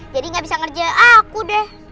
jadi gak bisa ngerjakan aku deh